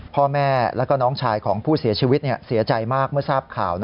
พ่อแม่แล้วก็น้องชายของผู้เสียชีวิตเสียใจมากเมื่อทราบข่าว